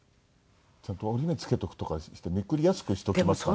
ちゃんと折り目つけておくとかしてめくりやすくしときますかね。